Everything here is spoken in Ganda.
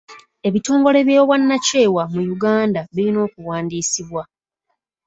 Ebitongole by'obwannakyewa mu Uganda birina okuwandiisibwa.